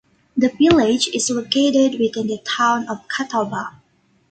The village is located within the Town of Catawba.